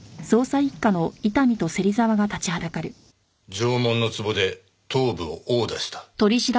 縄文の壺で頭部を殴打した。